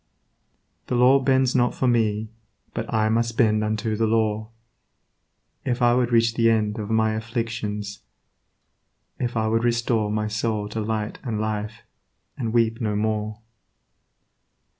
The law bends not for me, but I must bend Unto the law, if I would reach the end Of my afflictions, if I would restore My soul to Light and Life, and weep no more.